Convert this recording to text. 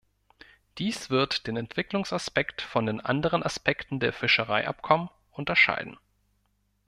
Dies wird den Entwicklungsaspekt von den anderen Aspekten der Fischereiabkommen unterscheiden.